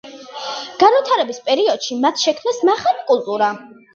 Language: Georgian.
განვითარების პროცესში მათ შექმნეს მაღალი კულტურა.